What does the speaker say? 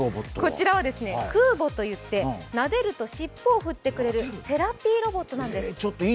こちらはＱｏｏｂｏといってなでると尻尾を振ってくれるセラピーロボットなんです。